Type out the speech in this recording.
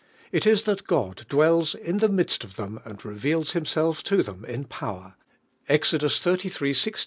It ia that God dwells "iD the midst of them and reveals Himself tn them in power*' (Exodus xxsiii.